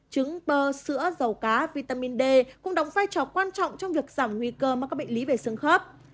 trứng bơ sữa dầu cá vitamin d cũng đóng vai trò quan trọng trong việc giảm nguy cơ mắc các bệnh lý về xương khớp